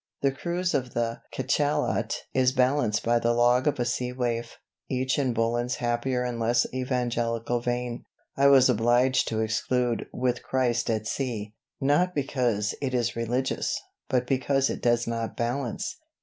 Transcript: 'The Cruise of the Cachalot' is balanced by the 'Log of a Sea Waif,' each in Bullen's happier and less evangelical vein. I was obliged to exclude 'With Christ at Sea,' not because it is religious, but because it does not balance.